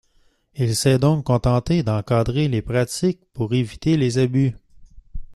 Il s'est donc contenté d'encadrer les pratiques pour éviter les abus.